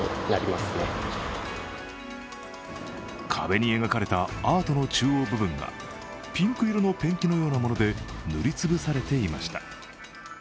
壁に描かれたアートの中央部分がピンク色のペンキのようなもので塗り潰されていました。